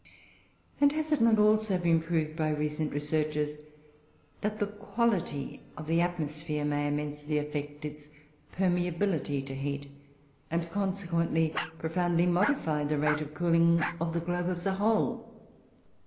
And has it not also been proved by recent researches that the quality of the atmosphere may immensely affect its permeability to heat; and, consequently, profoundly modify the rate of cooling the globe as a whole?